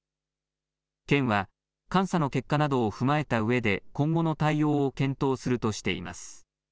県は、監査の結果などを踏まえたうえで、今後の対応を検討するとしています。